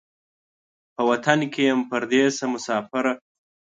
په وطن کې یم پردېسه مسافره